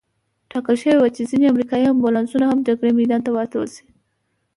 ټاکل شوې وه چې ځینې امریکایي امبولانسونه هم جګړې میدان ته واستول شي.